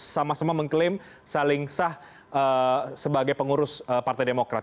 sama sama mengklaim saling sah sebagai pengurus partai demokrat